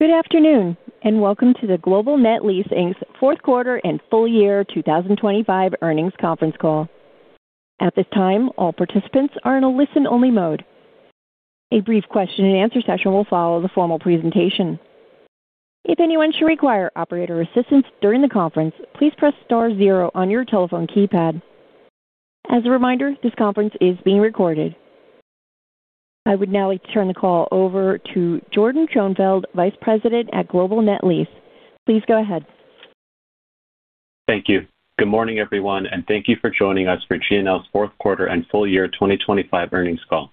Good afternoon, and welcome to the Global Net Lease's fourth quarter and full year 2025 earnings conference call. At this time, all participants are in a listen-only mode. A brief question-and-answer session will follow the formal presentation. If anyone should require operator assistance during the conference, please press star zero on your telephone keypad. As a reminder, this conference is being recorded. I would now like to turn the call over to Jordyn Schoenfeld, Vice President at Global Net Lease. Please go ahead. Thank you. Good morning, everyone, and thank you for joining us for GNL's fourth quarter and full year 2025 earnings call.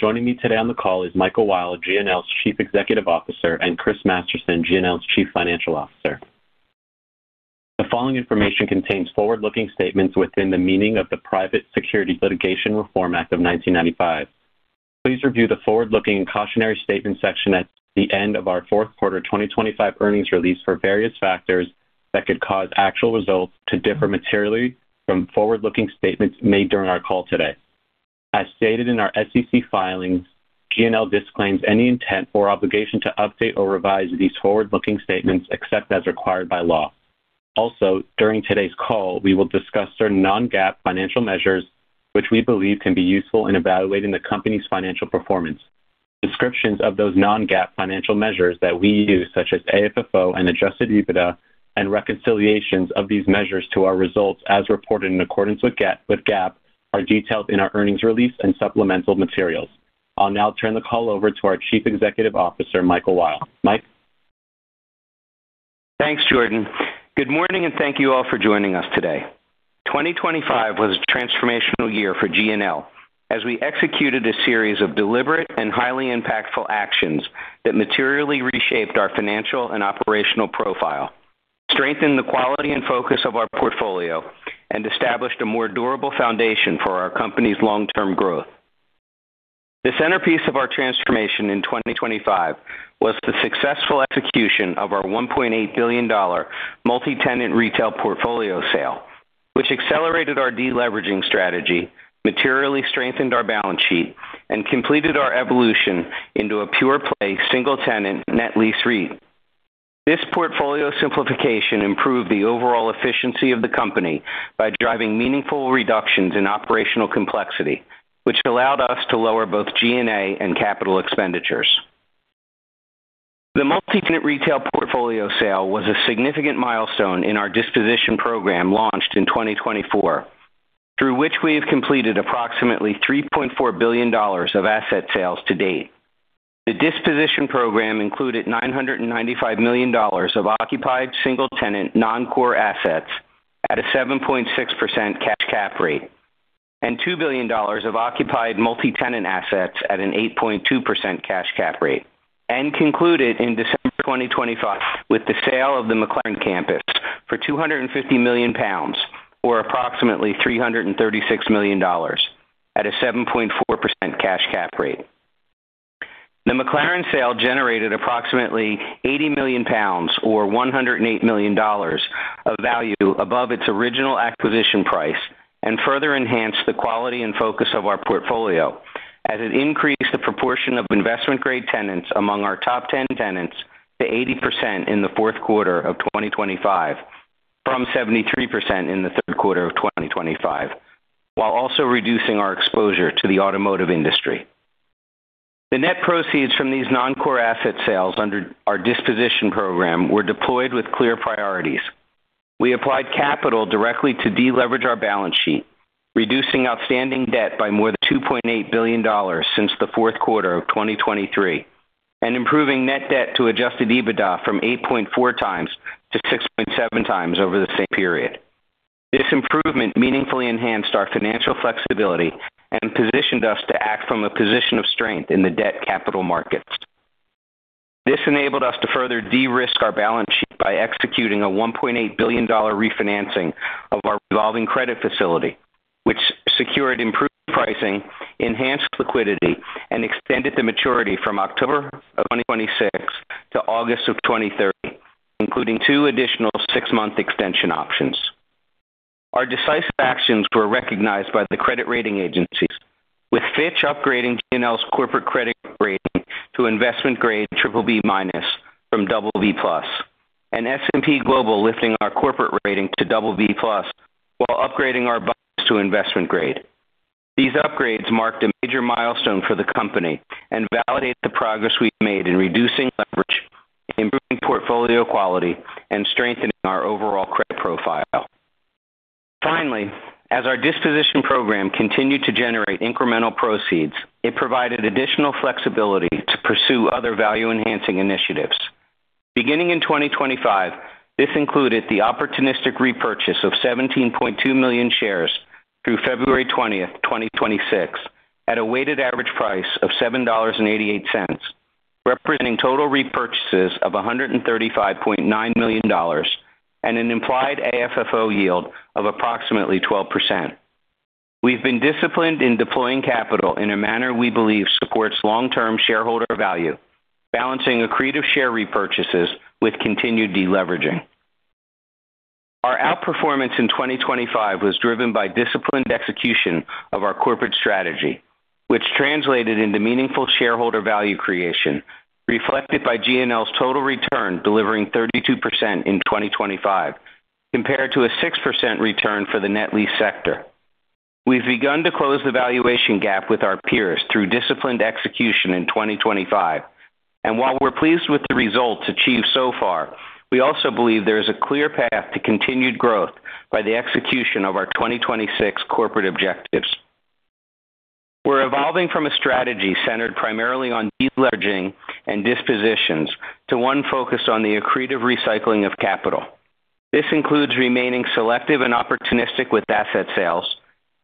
Joining me today on the call is Michael Weil, GNL's Chief Executive Officer, and Chris Masterson, GNL's Chief Financial Officer. The following information contains forward-looking statements within the meaning of the Private Securities Litigation Reform Act of 1995. Please review the forward-looking and cautionary statement section at the end of our fourth quarter 2025 earnings release for various factors that could cause actual results to differ materially from forward-looking statements made during our call today. As stated in our SEC filings, GNL disclaims any intent or obligation to update or revise these forward-looking statements except as required by law. Also, during today's call, we will discuss certain non-GAAP financial measures, which we believe can be useful in evaluating the company's financial performance. Descriptions of those non-GAAP financial measures that we use, such as AFFO and Adjusted EBITDA, and reconciliations of these measures to our results, as reported in accordance with GAAP, are detailed in our earnings release and supplemental materials. I'll now turn the call over to our Chief Executive Officer, Michael Weil. Mike? Thanks, Jordan. Good morning, and thank you all for joining us today. 2025 was a transformational year for GNL as we executed a series of deliberate and highly impactful actions that materially reshaped our financial and operational profile, strengthened the quality and focus of our portfolio, and established a more durable foundation for our company's long-term growth. The centerpiece of our transformation in 2025 was the successful execution of our $1.8 billion multi-tenant retail portfolio sale, which accelerated our deleveraging strategy, materially strengthened our balance sheet, and completed our evolution into a pure-play, single-tenant net lease REIT. This portfolio simplification improved the overall efficiency of the company by driving meaningful reductions in operational complexity, which allowed us to lower both G&A and capital expenditures. The multi-tenant retail portfolio sale was a significant milestone in our disposition program, launched in 2024, through which we have completed approximately $3.4 billion of asset sales to date. The disposition program included $995 million of occupied single-tenant, non-core assets at a 7.6% cash cap rate, and $2 billion of occupied multi-tenant assets at an 8.2% cash cap rate, and concluded in December 2025 with the sale of the McLaren Campus for 250 million pounds, or approximately $336 million at a 7.4% cash cap rate. The McLaren sale generated approximately 80 million pounds, or $108 million, of value above its original acquisition price and further enhanced the quality and focus of our portfolio as it increased the proportion of investment-grade tenants among our top 10 tenants to 80% in the fourth quarter of 2025 from 73% in the third quarter of 2025, while also reducing our exposure to the automotive industry. The net proceeds from these non-core asset sales under our disposition program were deployed with clear priorities. We applied capital directly to deleverage our balance sheet, reducing outstanding debt by more than $2.8 billion since the fourth quarter of 2023, and improving Net Debt to Adjusted EBITDA from 8.4x to 6.7x over the same period. This improvement meaningfully enhanced our financial flexibility and positioned us to act from a position of strength in the debt capital markets. This enabled us to further de-risk our balance sheet by executing a $1.8 billion refinancing of our revolving credit facility, which secured improved pricing, enhanced liquidity, and extended the maturity from October of 2026 to August of 2030, including 2 additional 6-month extension options. Our decisive actions were recognized by the credit rating agencies, with Fitch upgrading GNL's corporate credit rating to investment-grade BBB- from BB+, and S&P Global lifting our corporate rating to BB+ while upgrading our bonds to investment grade. These upgrades marked a major milestone for the company and validate the progress we've made in reducing leverage, improving portfolio quality, and strengthening our overall credit profile. Finally, as our disposition program continued to generate incremental proceeds, it provided additional flexibility to pursue other value-enhancing initiatives. Beginning in 2025, this included the opportunistic repurchase of 17.2 million shares through February 20th, 2026, at a weighted average price of $7.88, representing total repurchases of $135.9 million and an implied AFFO yield of approximately 12%. We've been disciplined in deploying capital in a manner we believe supports long-term shareholder value, balancing accretive share repurchases with continued deleveraging. Our performance in 2025 was driven by disciplined execution of our corporate strategy, which translated into meaningful shareholder value creation, reflected by GNL's total return, delivering 32% in 2025, compared to a 6% return for the net lease sector. We've begun to close the valuation gap with our peers through disciplined execution in 2025. While we're pleased with the results achieved so far, we also believe there is a clear path to continued growth by the execution of our 2026 corporate objectives. We're evolving from a strategy centered primarily on deleveraging and dispositions to one focused on the accretive recycling of capital. This includes remaining selective and opportunistic with asset sales,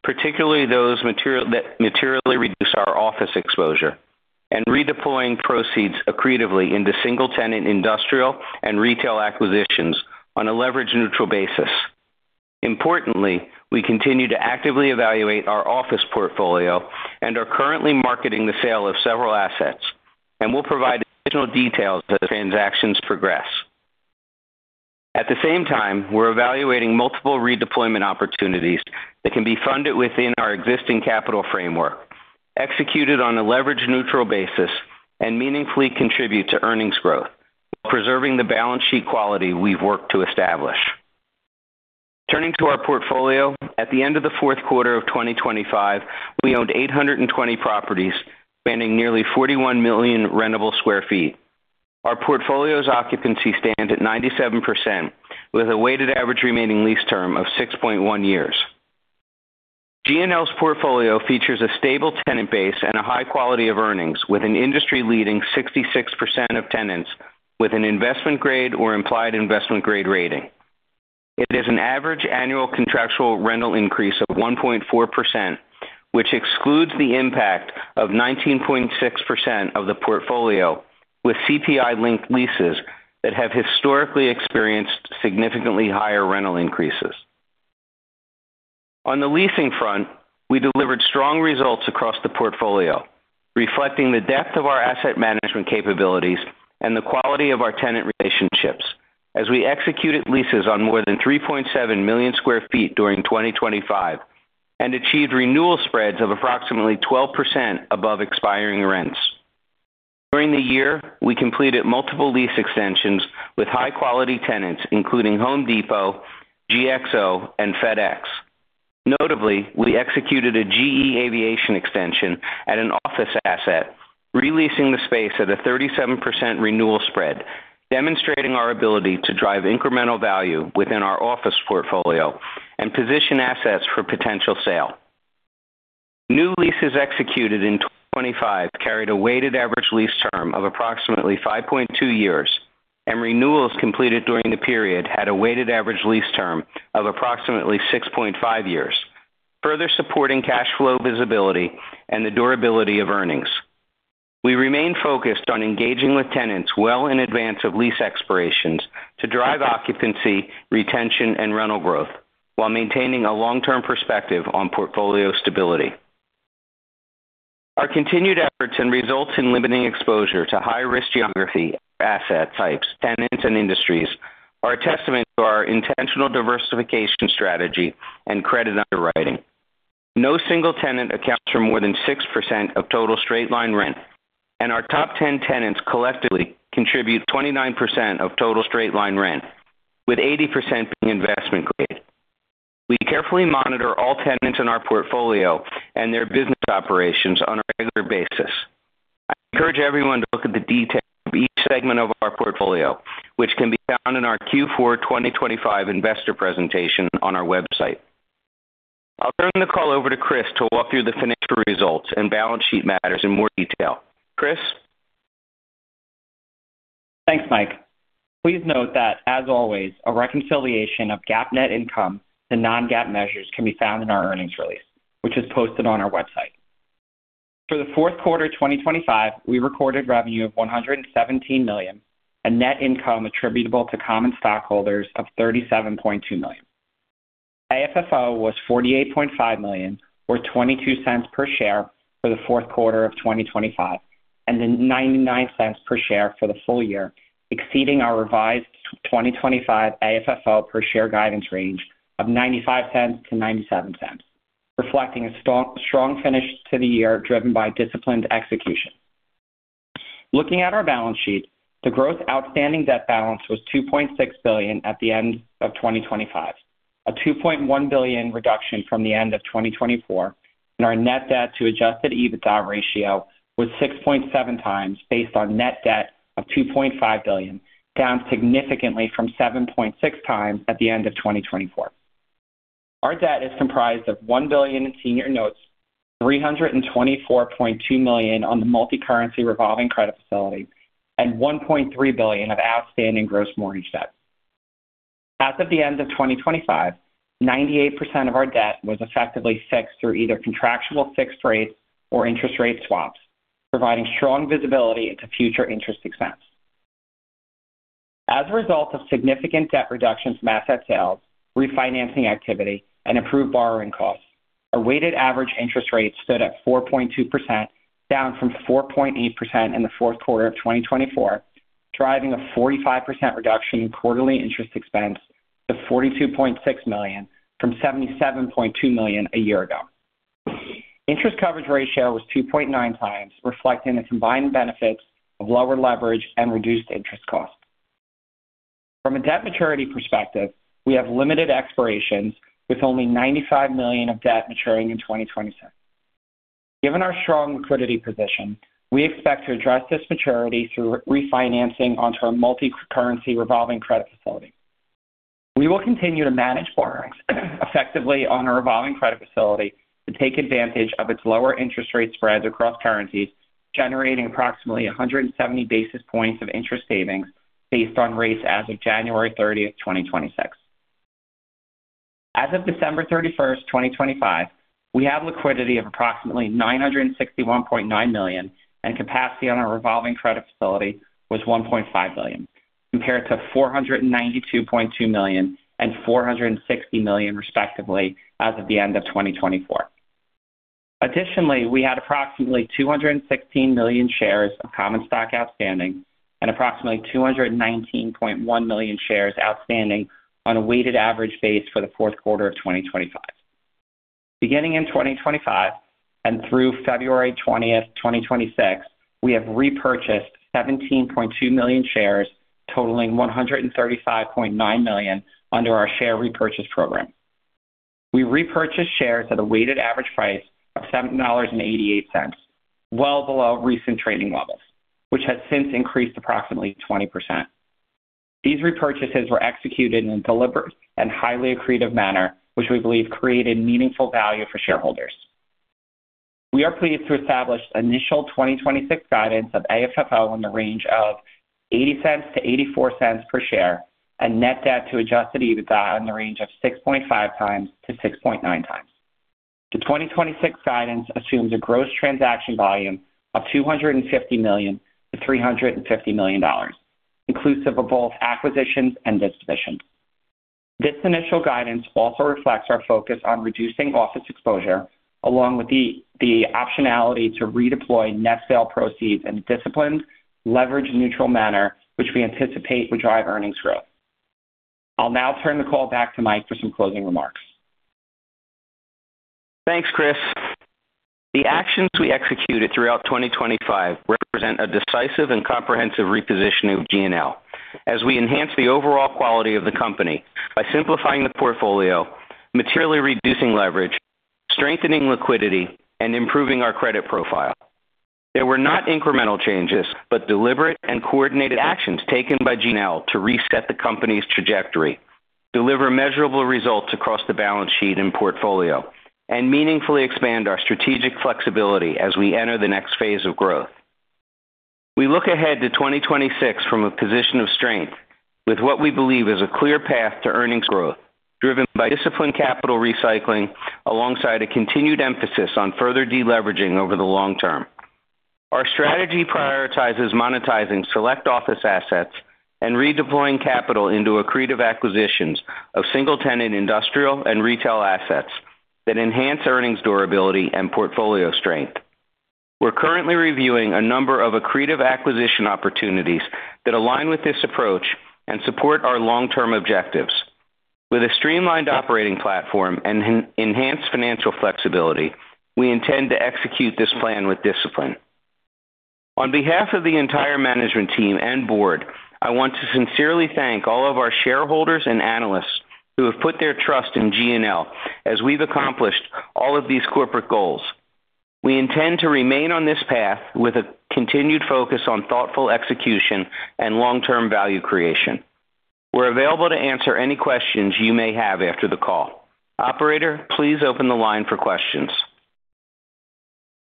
particularly those that materially reduce our office exposure, and redeploying proceeds accretively into single tenant, industrial, and retail acquisitions on a leverage neutral basis. Importantly, we continue to actively evaluate our office portfolio and are currently marketing the sale of several assets, and we'll provide additional details as the transactions progress. At the same time, we're evaluating multiple redeployment opportunities that can be funded within our existing capital framework, executed on a leverage neutral basis and meaningfully contribute to earnings growth, preserving the balance sheet quality we've worked to establish. Turning to our portfolio, at the end of the fourth quarter of 2025, we owned 820 properties, spanning nearly 41 million rentable sq ft. Our portfolio's occupancy stand at 97%, with a weighted average remaining lease term of 6.1 years. GNL's portfolio features a stable tenant base and a high quality of earnings, with an industry leading 66% of tenants with an investment grade or implied investment grade rating. It is an average annual contractual rental increase of 1.4%, which excludes the impact of 19.6% of the portfolio, with CPI-linked leases that have historically experienced significantly higher rental increases. On the leasing front, we delivered strong results across the portfolio, reflecting the depth of our asset management capabilities and the quality of our tenant relationships, as we executed leases on more than 3.7 million sq ft during 2025, and achieved renewal spreads of approximately 12% above expiring rents. During the year, we completed multiple lease extensions with high quality tenants, including Home Depot, GXO and FedEx. Notably, we executed a GE Aviation extension at an office asset, releasing the space at a 37% renewal spread, demonstrating our ability to drive incremental value within our office portfolio and position assets for potential sale. New leases executed in 2025 carried a weighted average lease term of approximately 5.2 years. Renewals completed during the period had a weighted average lease term of approximately 6.5 years, further supporting cash flow visibility and the durability of earnings. We remain focused on engaging with tenants well in advance of lease expirations to drive occupancy, retention, and rental growth, while maintaining a long-term perspective on portfolio stability. Our continued efforts and results in limiting exposure to high-risk geography, asset types, tenants, and industries are a testament to our intentional diversification strategy and credit underwriting. No single tenant accounts for more than 6% of total straight-line rent, and our top 10 tenants collectively contribute 29% of total straight-line rent, with 80% being investment grade. We carefully monitor all tenants in our portfolio and their business operations on a regular basis. I encourage everyone to look at the details of each segment of our portfolio, which can be found in our Q4 2025 investor presentation on our website. I'll turn the call over to Chris to walk through the financial results and balance sheet matters in more detail. Chris? Thanks, Mike. Please note that, as always, a reconciliation of GAAP net income to non-GAAP measures can be found in our earnings release, which is posted on our website. For the fourth quarter 2025, we recorded revenue of $117 million, and net income attributable to common stockholders of $37.2 million. AFFO was $48.5 million, or $0.22 per share for the fourth quarter of 2025, and then $0.99 per share for the full year, exceeding our revised 2025 AFFO per share guidance range of $0.95-$0.97, reflecting a strong finish to the year, driven by disciplined execution. Looking at our balance sheet, the growth outstanding debt balance was $2.6 billion at the end of 2025, a $2.1 billion reduction from the end of 2024, and our Net Debt to Adjusted EBITDA ratio was 6.7x, based on net debt of $2.5 billion, down significantly from 7.6x at the end of 2024. Our debt is comprised of $1 billion in senior notes, $324.2 million on the multicurrency revolving credit facility, and $1.3 billion of outstanding gross mortgage debt. As of the end of 2025, 98% of our debt was effectively fixed through either contractual fixed rates or interest rate swaps, providing strong visibility into future interest expense. As a result of significant debt reductions and asset sales, refinancing activity, and improved borrowing costs, our weighted average interest rate stood at 4.2%, down from 4.8% in the fourth quarter of 2024, driving a 45% reduction in quarterly interest expense to $42.6 million from $77.2 million a year ago. Interest coverage ratio was 2.9 times, reflecting the combined benefits of lower leverage and reduced interest costs. From a debt maturity perspective, we have limited expirations, with only $95 million of debt maturing in 2026. Given our strong liquidity position, we expect to address this maturity through refinancing onto our multicurrency revolving credit facility. We will continue to manage borrowings effectively on our Revolving Credit Facility to take advantage of its lower interest rate spreads across currencies, generating approximately 170 basis points of interest savings based on rates as of January 30, 2026. As of December 31, 2025, we have liquidity of approximately $961.9 million, and capacity on our Revolving Credit Facility was $1.5 billion, compared to $492.2 million and $460 million, respectively, as of the end of 2024. Additionally, we had approximately 216 million shares of common stock outstanding and approximately 219.1 million shares outstanding on a weighted average base for Q4 2025. Beginning in 2025 and through February 20, 2026, we have repurchased 17.2 million shares, totaling $135.9 million under our share repurchase program. We repurchased shares at a weighted average price of $7.88, well below recent trading levels, which has since increased approximately 20%. These repurchases were executed in a deliberate and highly accretive manner, which we believe created meaningful value for shareholders. We are pleased to establish initial 2026 guidance of AFFO in the range of $0.80-0.84 per share and Net Debt to Adjusted EBITDA in the range of 6.5x-6.9x. The 2026 guidance assumes a gross transaction volume of $250 million-$350 million, inclusive of both acquisitions and dispositions. This initial guidance also reflects our focus on reducing office exposure, along with the optionality to redeploy net sale proceeds in a disciplined, leverage-neutral manner, which we anticipate will drive earnings growth. I'll now turn the call back to Mike for some closing remarks. Thanks, Chris. The actions we executed throughout 2025 represent a decisive and comprehensive repositioning of GNL as we enhance the overall quality of the company by simplifying the portfolio, materially reducing leverage, strengthening liquidity, and improving our credit profile. There were not incremental changes, but deliberate and coordinated actions taken by GNL to reset the company's trajectory, deliver measurable results across the balance sheet and portfolio, and meaningfully expand our strategic flexibility as we enter the next phase of growth. We look ahead to 2026 from a position of strength, with what we believe is a clear path to earnings growth, driven by disciplined capital recycling alongside a continued emphasis on further deleveraging over the long term. Our strategy prioritizes monetizing select office assets and redeploying capital into accretive acquisitions of single-tenant industrial and retail assets that enhance earnings durability and portfolio strength. We're currently reviewing a number of accretive acquisition opportunities that align with this approach and support our long-term objectives. With a streamlined operating platform and enhanced financial flexibility, we intend to execute this plan with discipline. On behalf of the entire management team and board, I want to sincerely thank all of our shareholders and analysts who have put their trust in GNL as we've accomplished all of these corporate goals. We intend to remain on this path with a continued focus on thoughtful execution and long-term value creation. We're available to answer any questions you may have after the call. Operator, please open the line for questions.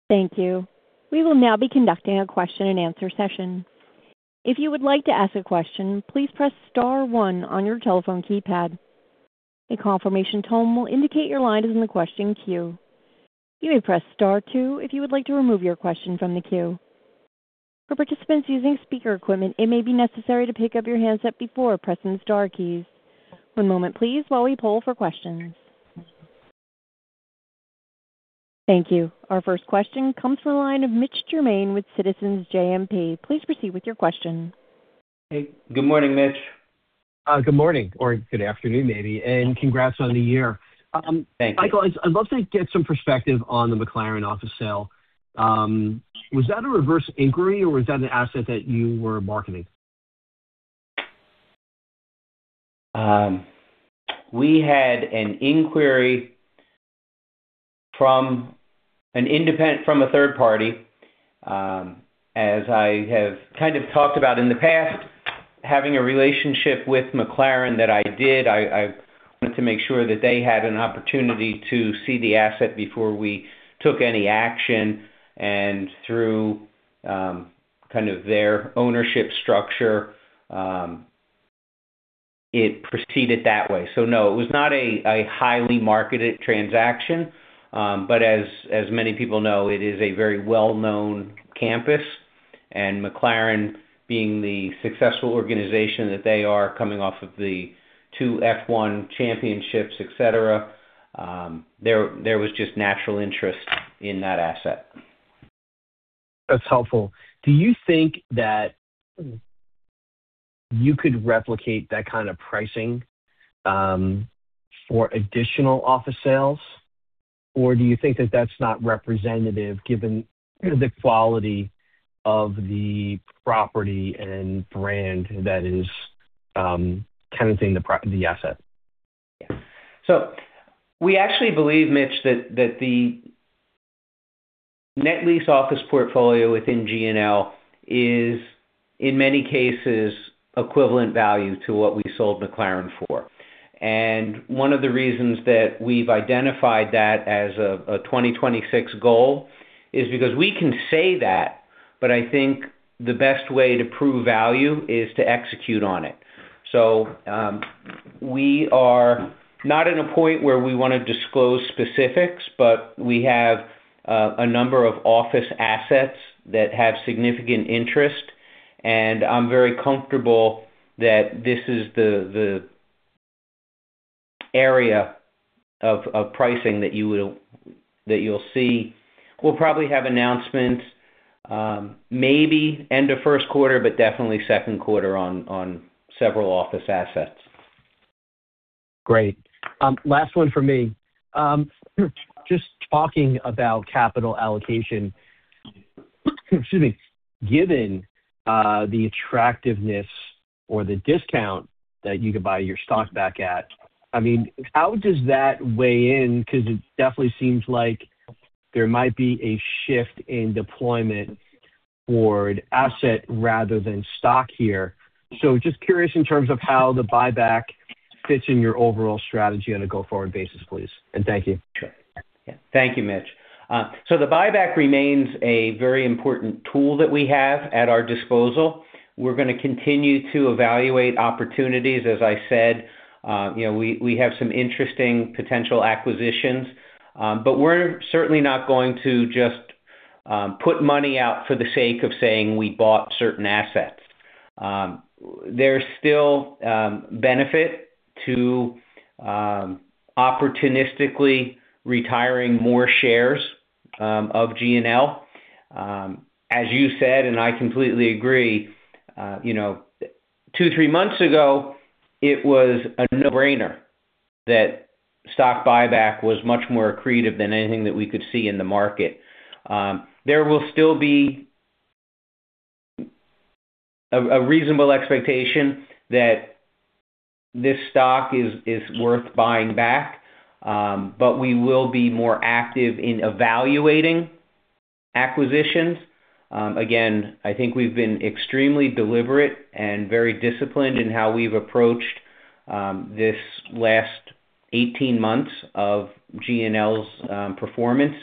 Thank you. We will now be conducting a question-and-answer session. If you would like to ask a question, please press star one on your telephone keypad. A confirmation tone will indicate your line is in the question queue. You may press Star two if you would like to remove your question from the queue. For participants using speaker equipment, it may be necessary to pick up your handset before pressing the star keys. One moment please while we poll for questions. Thank you. Our first question comes from the line of Mitch Germain with Citizens JMP. Please proceed with your question. Hey, good morning, Mitch. Good morning, or good afternoon, maybe, and congrats on the year. Thank you. Michael, I'd love to get some perspective on the McLaren office sale. Was that a reverse inquiry, or was that an asset that you were marketing? We had an inquiry from a third party. As I have kind of talked about in the past, having a relationship with McLaren that I did, I wanted to make sure that they had an opportunity to see the asset before we took any action. Through kind of their ownership structure, it proceeded that way. No, it was not a highly marketed transaction, but as many people know, it is a very well-known campus. McLaren being the successful organization that they are, coming off of the two F1 championships, et cetera, there was just natural interest in that asset. That's helpful. Do you think that you could replicate that kind of pricing, for additional office sales? Do you think that that's not representative, given the quality of the property and brand that is, tenanting the asset? We actually believe, Mitch, that the net lease office portfolio within GNL is, in many cases, equivalent value to what we sold McLaren for. One of the reasons that we've identified that as a 2026 goal is because we can say that, but I think the best way to prove value is to execute on it. We are not at a point where we wanna disclose specifics, but we have a number of office assets that have significant interest, and I'm very comfortable that this is the area of pricing that you'll see. We'll probably have announcements, maybe end of first quarter, but definitely second quarter on several office assets. Great. Last one for me. Just talking about capital allocation, excuse me, given the attractiveness or the discount that you could buy your stock back at, I mean, how does that weigh in? Because it definitely seems like there might be a shift in deployment toward asset rather than stock here. Just curious in terms of how the buyback fits in your overall strategy on a go-forward basis, please. Thank you. Sure. Yeah. Thank you, Mitch. The buyback remains a very important tool that we have at our disposal. We're gonna continue to evaluate opportunities. As I said, you know, we have some interesting potential acquisitions, we're certainly not going to just put money out for the sake of saying we bought certain assets. There's still benefit to opportunistically retiring more shares of GNL. As you said, and I completely agree, you know, 2, 3 months ago, it was a no-brainer that stock buyback was much more accretive than anything that we could see in the market. There will still be a reasonable expectation that this stock is worth buying back, we will be more active in evaluating acquisitions. Again, I think we've been extremely deliberate and very disciplined in how we've approached, this last 18 months of GNL's, performance,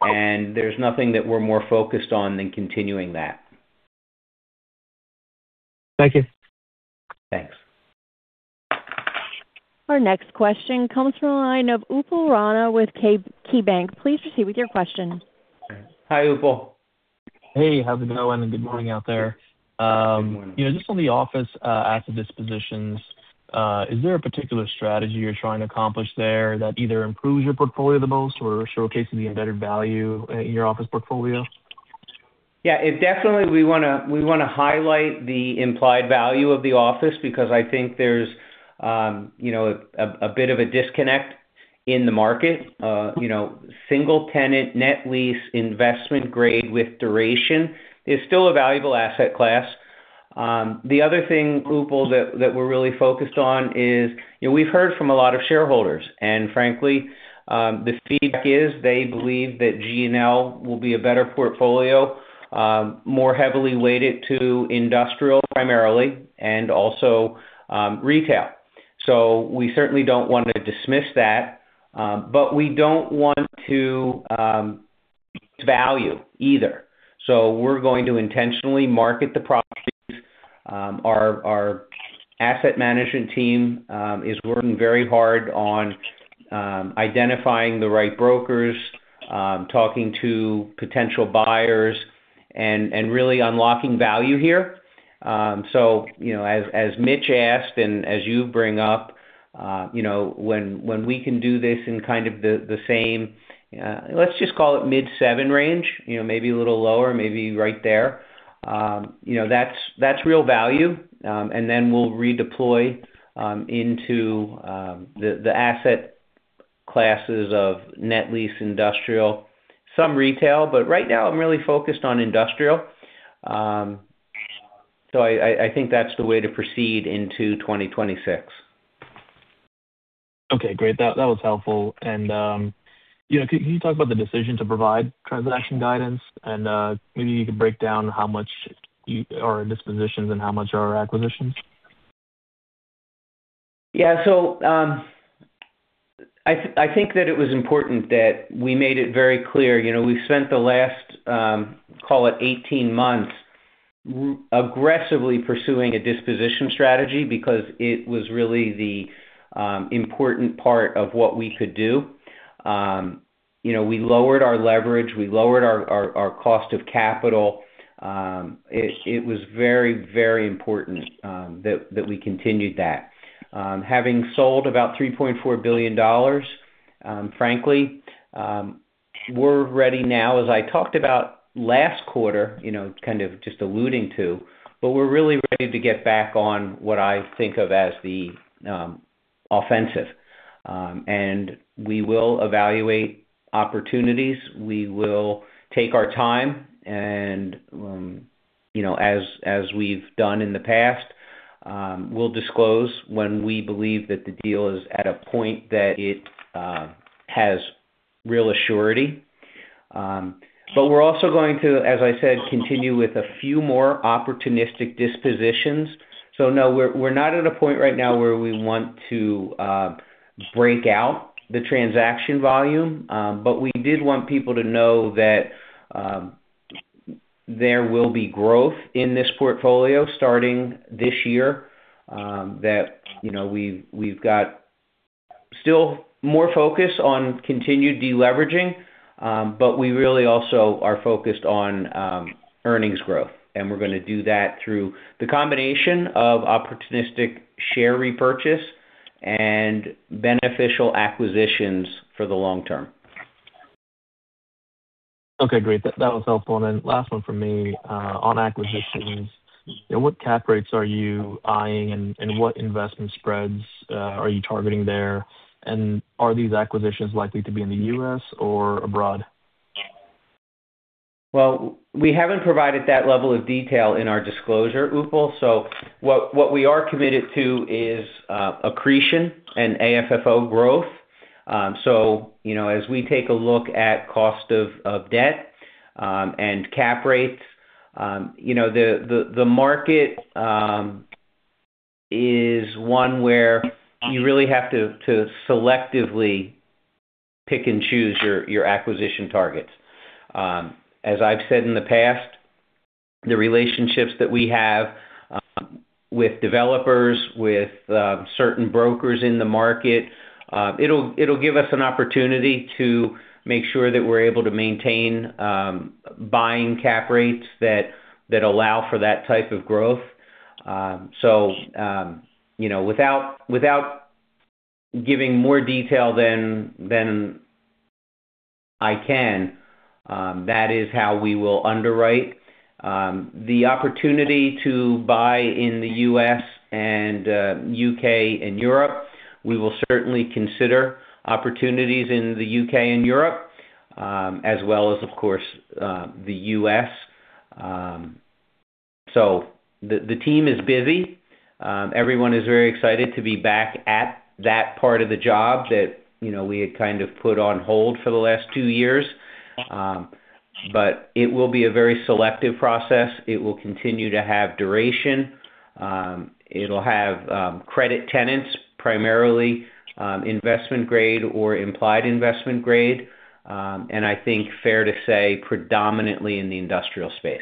and there's nothing that we're more focused on than continuing that. Thank you. Thanks. Our next question comes from the line of Upal Rana with KeyBanc. Please proceed with your question. Hi, Upal. Hey, how's it going? Good morning out there. Good morning. You know, just on the office, asset dispositions, is there a particular strategy you're trying to accomplish there that either improves your portfolio the most or showcases the embedded value, in your office portfolio? It definitely we wanna highlight the implied value of the office because I think there's, you know, a bit of a disconnect in the market. You know, single-tenant, net lease, investment-grade with duration is still a valuable asset class. The other thing, Upal, that we're really focused on is, you know, we've heard from a lot of shareholders, and frankly, the feedback is they believe that GNL will be a better portfolio, more heavily weighted to industrial, primarily, and also retail. We certainly don't want to dismiss that, but we don't want to value either. We're going to intentionally market the properties. Our asset management team is working very hard on identifying the right brokers, talking to potential buyers and really unlocking value here. You know, as Mitch asked, and as you bring up, you know, when we can do this in kind of the same, let's just call it mid-7 range, you know, maybe a little lower, maybe right there. That's real value. And then we'll redeploy into the asset classes of net lease industrial, some retail, but right now I'm really focused on industrial. I think that's the way to proceed into 2026. Okay, great. That was helpful. You know, can you talk about the decision to provide transaction guidance and maybe you could break down how much are dispositions and how much are acquisitions? I think that it was important that we made it very clear. You know, we spent the last, call it 18 months, aggressively pursuing a disposition strategy because it was really the important part of what we could do. You know, we lowered our leverage, we lowered our cost of capital. It was very important that we continued that. Having sold about $3.4 billion, frankly, we're ready now, as I talked about last quarter, you know, kind of just alluding to, but we're really ready to get back on what I think of as the offensive. We will evaluate opportunities. We will take our time, and, you know, as we've done in the past, we'll disclose when we believe that the deal is at a point that it has real assurity. We're also going to, as I said, continue with a few more opportunistic dispositions. No, we're not at a point right now where we want to break out the transaction volume. We did want people to know that there will be growth in this portfolio starting this year. You know, we've got still more focus on continued deleveraging, and we really also are focused on earnings growth, and we're gonna do that through the combination of opportunistic share repurchase and beneficial acquisitions for the long term. Okay, great. That was helpful. Last one from me on acquisitions. You know, what cap rates are you eyeing, and what investment spreads are you targeting there? Are these acquisitions likely to be in the U.S. or abroad? Well, we haven't provided that level of detail in our disclosure, Upal. What we are committed to is accretion and AFFO growth. You know, as we take a look at cost of debt and cap rates, you know, the market is one where you really have to selectively pick and choose your acquisition targets. As I've said in the past, the relationships that we have with developers, with certain brokers in the market, it'll give us an opportunity to make sure that we're able to maintain buying cap rates that allow for that type of growth. You know, without giving more detail than I can, that is how we will underwrite. The opportunity to buy in the U.S. and UK and Europe, we will certainly consider opportunities in the UK and Europe, as well as, of course, the U.S. The team is busy. Everyone is very excited to be back at that part of the job that, you know, we had kind of put on hold for the last two years. It will be a very selective process. It will continue to have duration. It'll have credit tenants, primarily, investment grade or implied investment grade, and I think fair to say, predominantly in the industrial space.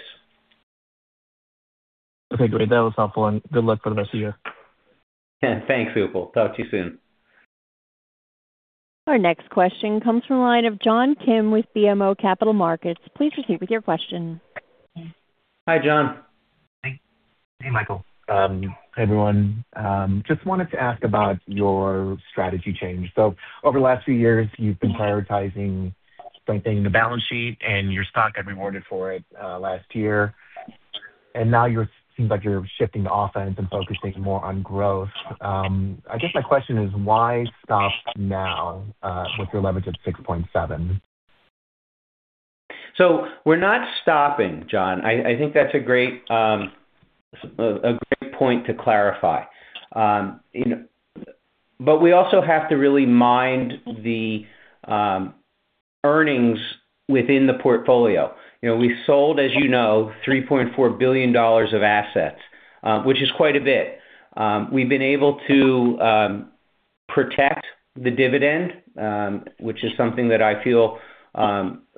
Okay, great. That was helpful. Good luck for the rest of the year. Thanks, Upal. Talk to you soon. Our next question comes from the line of John Kim with BMO Capital Markets. Please proceed with your question. Hi, John. Hey, hey, Michael. Hi, everyone. Just wanted to ask about your strategy change. Over the last few years, you've been prioritizing strengthening the balance sheet, and your stock got rewarded for it last year. Now seems like you're shifting the offense and focusing more on growth. I guess my question is: Why stop now with your leverage at 6.7? We're not stopping, John. I think that's a great point to clarify. You know, we also have to really mind the earnings within the portfolio. You know, we sold, as you know, $3.4 billion of assets, which is quite a bit. We've been able to protect the dividend, which is something that I feel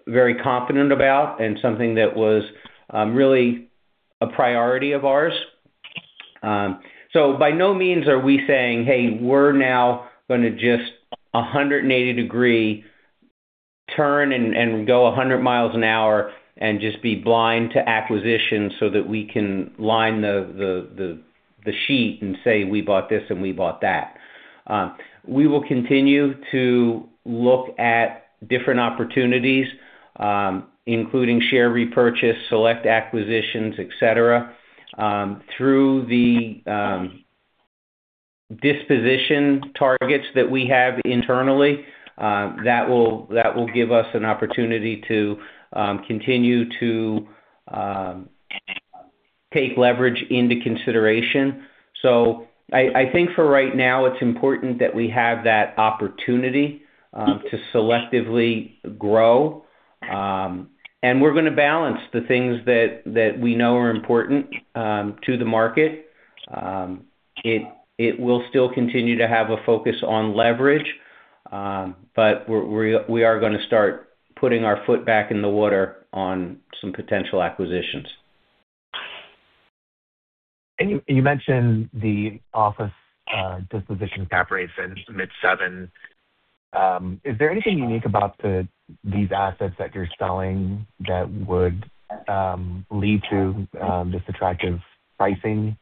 very confident about and something that was really a priority of ours. By no means are we saying, "Hey, we're now gonna just a 180 degree turn and go 100 miles an hour and just be blind to acquisition so that we can line the sheet and say we bought this and we bought that." We will continue to look at different opportunities, including share repurchase, select acquisitions, et cetera, through the disposition targets that we have internally. That will give us an opportunity to continue to take leverage into consideration. I think for right now, it's important that we have that opportunity to selectively grow. We're gonna balance the things that we know are important to the market. It will still continue to have a focus on leverage. We're gonna start putting our foot back in the water on some potential acquisitions. You mentioned the office disposition cap rate since mid-7? Is there anything unique about these assets that you're selling that would lead to just attractive pricing?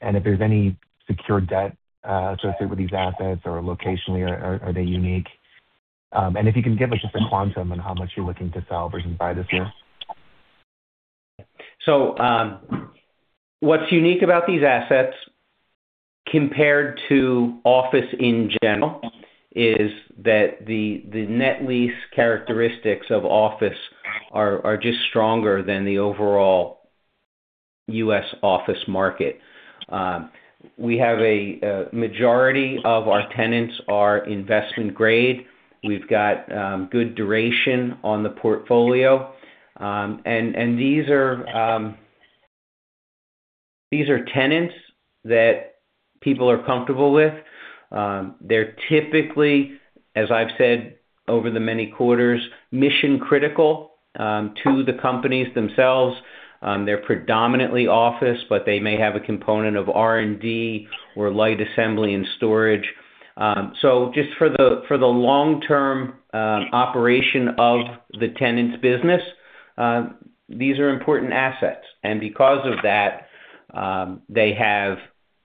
If there's any secured debt associated with these assets, or locationally, are they unique? If you can give us just a quantum on how much you're looking to sell or buy this year. What's unique about these assets compared to office in general, is that the net lease characteristics of office are just stronger than the overall U.S. office market. We have a majority of our tenants are investment grade. We've got good duration on the portfolio. And these are tenants that people are comfortable with. They're typically, as I've said over the many quarters, mission critical to the companies themselves. They're predominantly office, but they may have a component of R&D or light assembly and storage. Just for the long-term operation of the tenant's business, these are important assets. Because of that, they have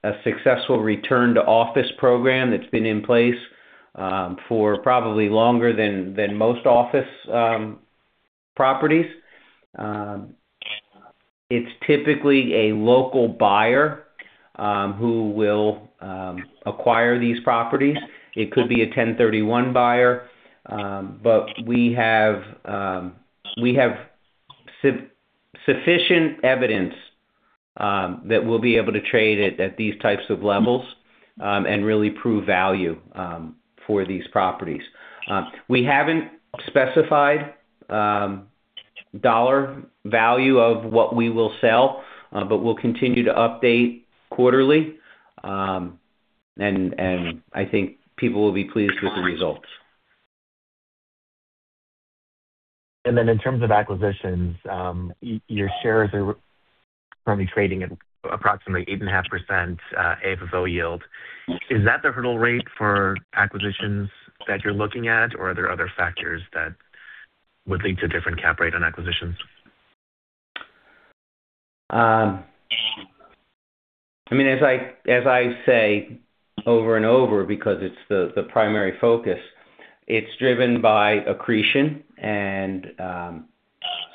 a successful return-to-office program that's been in place for probably longer than most office properties. It's typically a local buyer who will acquire these properties. It could be a 1031 buyer, but we have sufficient evidence that we'll be able to trade at these types of levels and really prove value for these properties. We haven't specified dollar value of what we will sell, but we'll continue to update quarterly. I think people will be pleased with the results. In terms of acquisitions, your shares are probably trading at approximately 8.5% AFFO yield. Is that the hurdle rate for acquisitions that you're looking at, or are there other factors that would lead to different cap rate on acquisitions? I mean, as I say over and over, because it's the primary focus, it's driven by accretion, and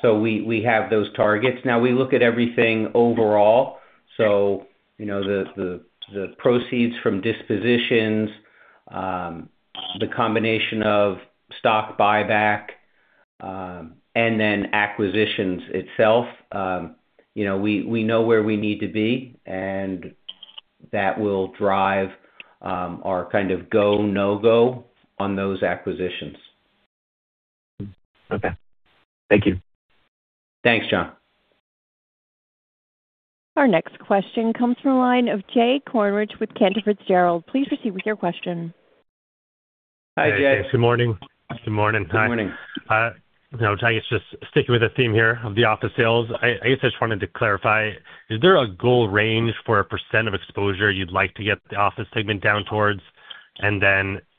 so we have those targets. Now, we look at everything overall. You know, the proceeds from dispositions, the combination of stock buyback, and then acquisitions itself. You know, we know where we need to be, and that will drive our kind of go, no-go on those acquisitions. Okay. Thank you. Thanks, John. Our next question comes from the line of Jay Kornreich with Cantor Fitzgerald. Please proceed with your question. Hi, Jay. Hi, good morning. Good morning. Good morning. you know, I guess just sticking with the theme here of the office sales. I guess I just wanted to clarify, is there a goal range for a % of exposure you'd like to get the office segment down towards?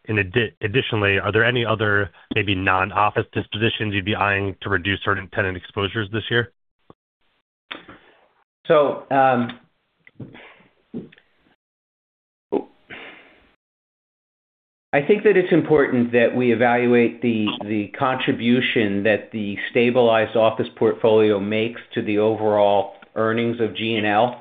Then additionally, are there any other, maybe non-office dispositions you'd be eyeing to reduce certain tenant exposures this year? I think that it's important that we evaluate the contribution that the stabilized office portfolio makes to the overall earnings of GNL.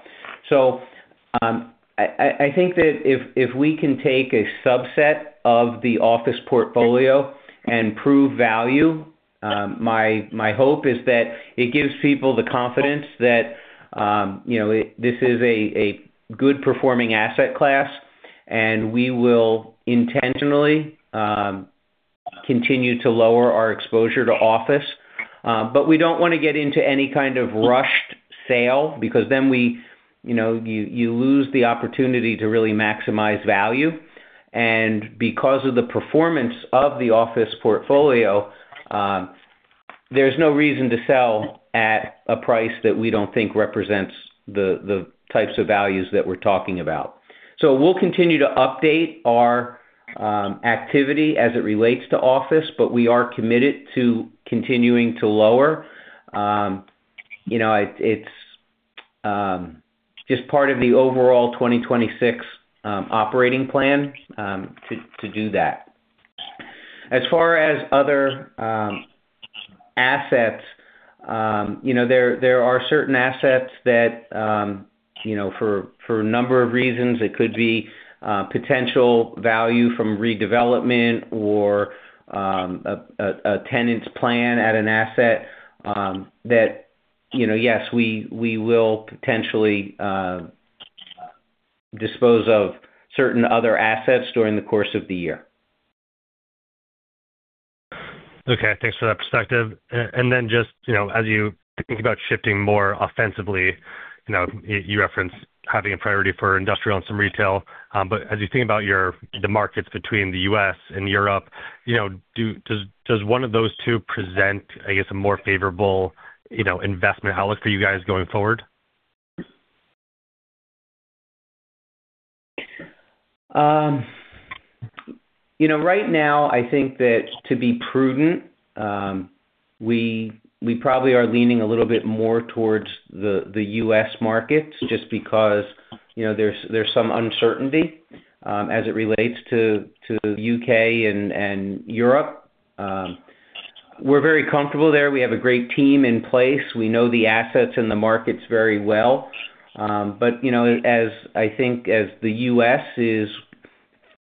I think that if we can take a subset of the office portfolio and prove value, my hope is that it gives people the confidence that, you know, this is a good performing asset class, and we will intentionally continue to lower our exposure to office. We don't want to get into any kind of rushed sale because then you lose the opportunity to really maximize value. Because of the performance of the office portfolio, there's no reason to sell at a price that we don't think represents the types of values that we're talking about. We'll continue to update our activity as it relates to office, but we are committed to continuing to lower. You know, it's just part of the overall 2026 operating plan to do that. As far as other assets, you know, there are certain assets that, you know, for a number of reasons, it could be potential value from redevelopment or a tenant's plan at an asset, that, you know, yes, we will potentially dispose of certain other assets during the course of the year. Okay, thanks for that perspective. Then just, you know, as you think about shifting more offensively, you know, you referenced having a priority for industrial and some retail. As you think about the markets between the U.S. and Europe, you know, does one of those two present, I guess, a more favorable, you know, investment outlook for you guys going forward? You know, right now, I think that to be prudent, we probably are leaning a little bit more towards the U.S. markets just because, you know, there's some uncertainty as it relates to the U.K. and Europe. We're very comfortable there. We have a great team in place. We know the assets and the markets very well. You know, as I think as the U.S. is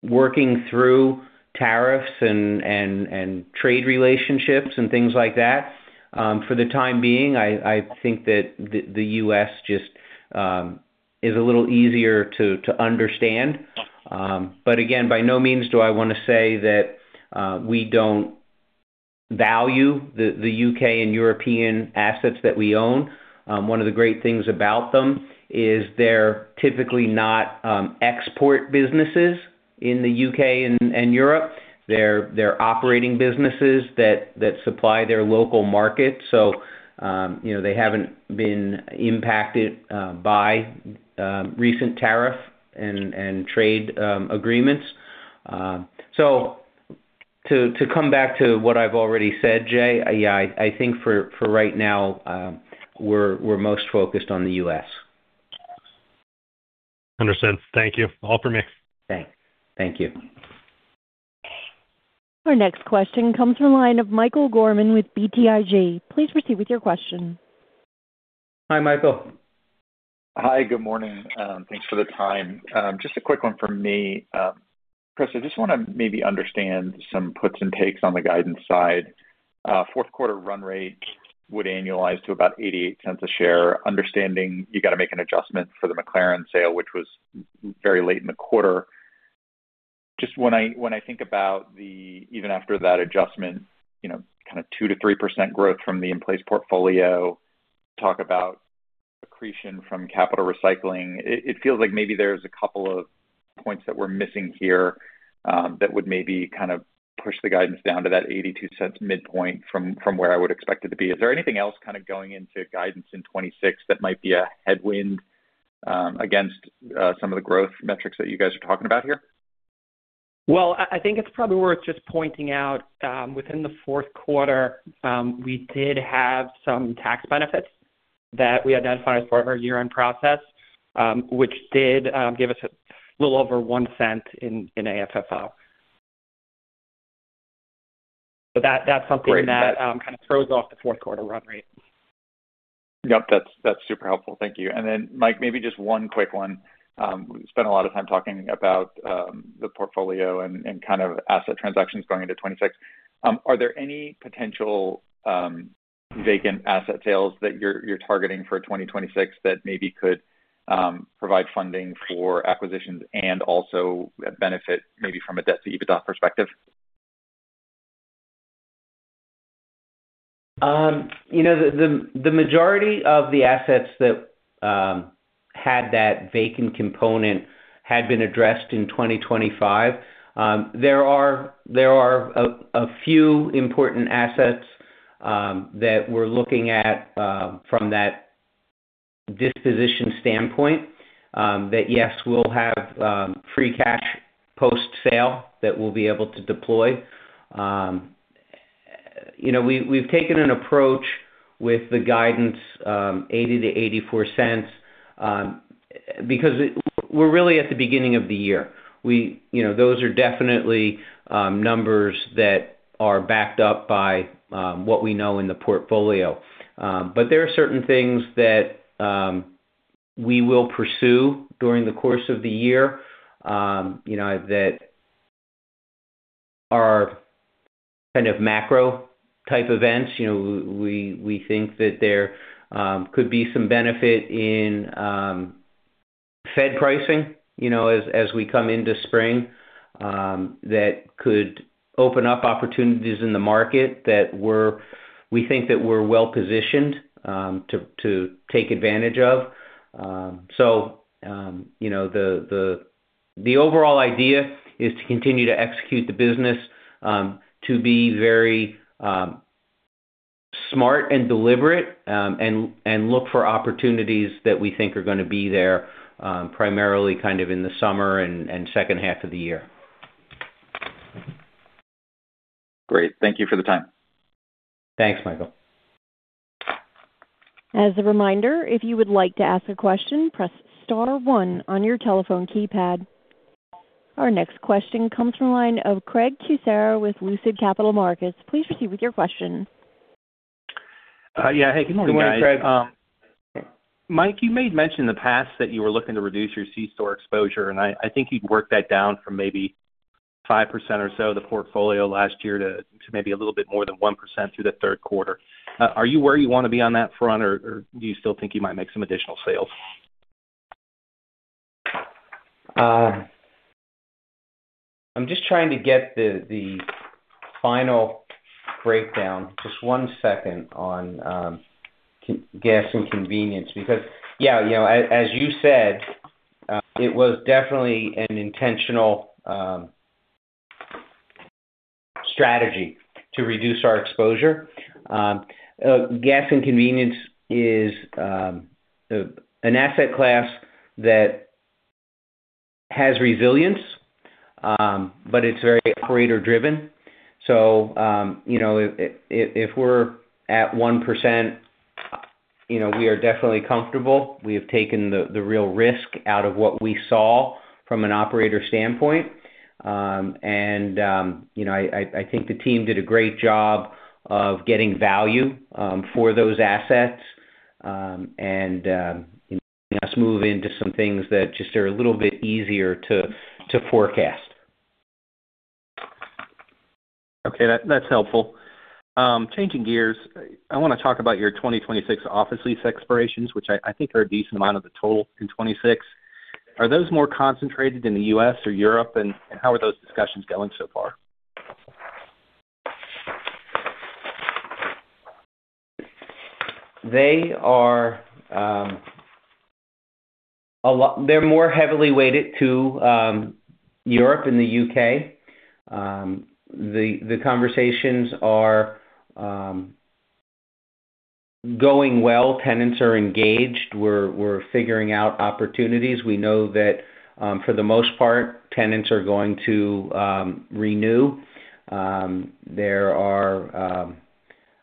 working through tariffs and trade relationships and things like that, for the time being, I think that the U.S. just is a little easier to understand. Again, by no means do I want to say that we don't value the UK and European assets that we own. One of the great things about them is they're typically not export businesses in the UK and Europe. They're operating businesses that supply their local market. You know, they haven't been impacted by recent tariff and trade agreements. To come back to what I've already said, Jay, yeah, I think for right now, we're most focused on the U.S. Understood. Thank you. All for me. Thanks. Thank you. Our next question comes from the line of Michael Gorman with BTIG. Please proceed with your question. Hi, Michael. Hi, good morning. Thanks for the time. Just a quick one from me. Chris, I just want to maybe understand some puts and takes on the guidance side. Fourth quarter run rate would annualize to about $0.88 a share, understanding you got to make an adjustment for the McLaren sale, which was very late in the quarter. When I think about the even after that adjustment, you know, kind of 2-3% growth from the in-place portfolio, talk about accretion from capital recycling, it feels like maybe there's a couple of points that we're missing here that would maybe kind of push the guidance down to that $0.82 midpoint from where I would expect it to be. Is there anything else kind of going into guidance in 2026 that might be a headwind against some of the growth metrics that you guys are talking about here? I think it's probably worth just pointing out, within the fourth quarter, we did have some tax benefits that we identified for our year-end process, which did give us a little over $0.01 in AFFO. That's something that kind of throws off the fourth quarter run rate. Yep, that's super helpful. Thank you. Mike, maybe just one quick one. We spent a lot of time talking about the portfolio and kind of asset transactions going into 2026. Are there any potential vacant asset sales that you're targeting for 2026 that maybe could provide funding for acquisitions and also benefit maybe from a debt-to-EBITDA perspective? You know, the majority of the assets that had that vacant component had been addressed in 2025. There are a few important assets that we're looking at from that disposition standpoint that yes, we'll have free cash post-sale that we'll be able to deploy. You know, we've taken an approach with the guidance, $0.80-$0.84, because we're really at the beginning of the year. You know, those are definitely numbers that are backed up by what we know in the portfolio. There are certain things that we will pursue during the course of the year, you know, that are kind of macro-type events. You know, we think that there could be some benefit in Fed pricing, you know, as we come into spring, that could open up opportunities in the market that we think that we're well positioned to take advantage of. You know, the overall idea is to continue to execute the business to be very smart and deliberate, and look for opportunities that we think are gonna be there primarily kind of in the summer and second half of the year. Great. Thank you for the time. Thanks, Michael. As a reminder, if you would like to ask a question, press star one on your telephone keypad. Our next question comes from the line of Craig Kucera with Lucid Capital Markets. Please proceed with your question. Yeah. Hey, good morning, guys. Good morning, Craig. Michael Weil, you made mention in the past that you were looking to reduce your c-store exposure, and I think you've worked that down from maybe 5% or so of the portfolio last year to maybe a little bit more than 1% through the third quarter. Are you where you want to be on that front, or do you still think you might make some additional sales? I'm just trying to get the final breakdown. Just one second on gas and convenience, because, yeah, you know, as you said, it was definitely an intentional strategy to reduce our exposure. Gas and convenience is an asset class that has resilience, but it's very operator-driven. You know, if we're at 1%, you know, we are definitely comfortable. We have taken the real risk out of what we saw from an operator standpoint. You know, I think the team did a great job of getting value for those assets. Letting us move into some things that just are a little bit easier to forecast. Okay, that's helpful. Changing gears, I want to talk about your 2026 office lease expirations, which I think are a decent amount of the total in 2026. Are those more concentrated in the US or Europe, and how are those discussions going so far? They're more heavily weighted to Europe and the UK The conversations are going well. Tenants are engaged. We're figuring out opportunities. We know that, for the most part, tenants are going to renew. There are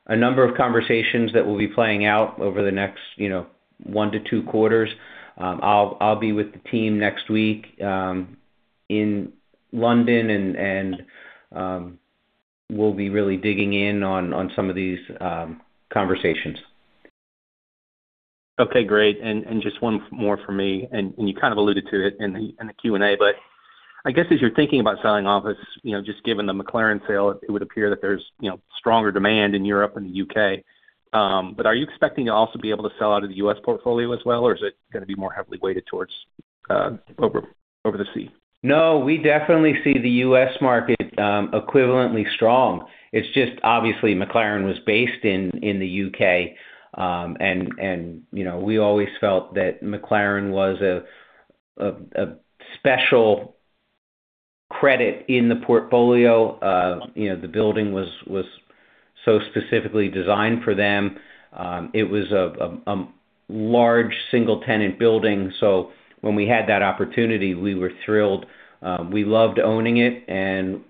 a number of conversations that will be playing out over the next, you know, 1 to 2 quarters. I'll be with the team next week, in London, and we'll be really digging in on some of these conversations. Okay, great. Just one more for me, and you kind of alluded to it in the Q&A, but I guess, as you're thinking about selling office, you know, just given the McLaren sale, it would appear that there's, you know, stronger demand in Europe and the UK. Are you expecting to also be able to sell out of the U.S. portfolio as well, or is it gonna be more heavily weighted towards over the sea? No, we definitely see the U.S. market equivalently strong. It's just obviously, McLaren was based in the UK You know, we always felt that McLaren was a special credit in the portfolio. You know, the building was so specifically designed for them. It was a large single-tenant building, so when we had that opportunity, we were thrilled. We loved owning it, and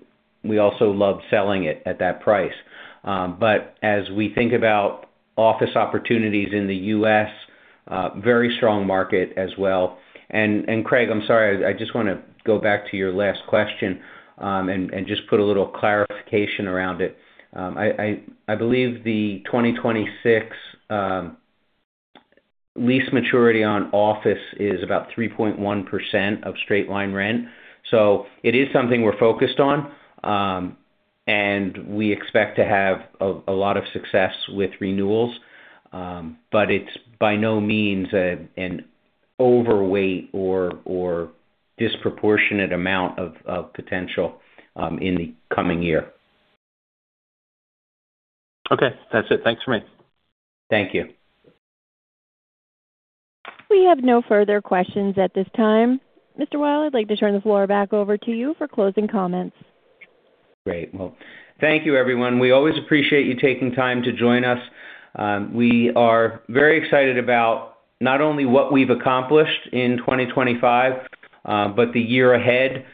we also loved selling it at that price. As we think about office opportunities in the U.S., very strong market as well. Craig, I'm sorry, I just want to go back to your last question, and just put a little clarification around it. I believe the 2026 lease maturity on office is about 3.1% of straight-line rent. It is something we're focused on. We expect to have a lot of success with renewals, but it's by no means an overweight or disproportionate amount of potential in the coming year. Okay. That's it. Thanks for me. Thank you. We have no further questions at this time. Mr. Weil, I'd like to turn the floor back over to you for closing comments. Great. Well, thank you, everyone. We always appreciate you taking time to join us. We are very excited about not only what we've accomplished in 2025, but the year ahead.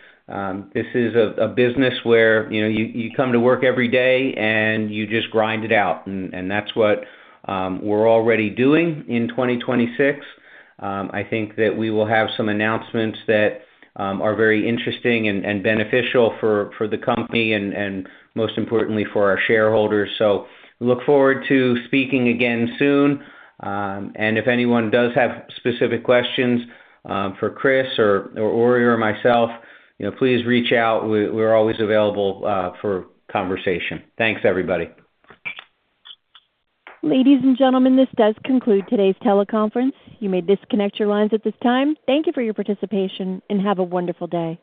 This is a business where, you know, you come to work every day, and you just grind it out, and that's what we're already doing in 2026. I think that we will have some announcements that are very interesting and beneficial for the company and most importantly, for our shareholders. Look forward to speaking again soon, and if anyone does have specific questions, for Chris or Ori or myself, you know, please reach out. We, we're always available for conversation. Thanks, everybody. Ladies and gentlemen, this does conclude today's teleconference. You may disconnect your lines at this time. Thank you for your participation, and have a wonderful day.